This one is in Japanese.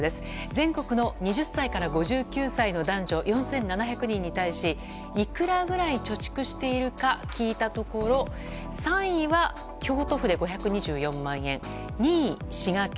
全国の２０歳から５９歳の男女４７００人に対しいくらぐらい貯蓄しているか聞いたところ３位は京都府で５２４万円２位、滋賀県。